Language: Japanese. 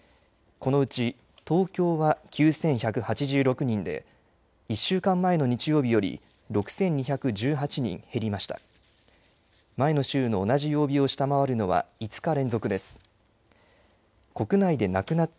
このうち、東京は９１８６人で、１週間前の日曜日より６２１８人減りました。